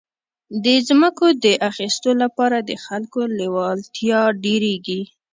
د ځمکو د اخیستو لپاره د خلکو لېوالتیا ډېرېږي.